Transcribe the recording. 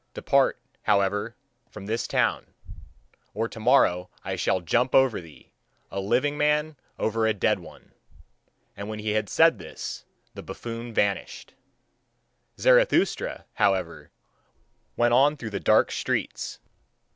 Depart, however, from this town, or tomorrow I shall jump over thee, a living man over a dead one." And when he had said this, the buffoon vanished; Zarathustra, however, went on through the dark streets.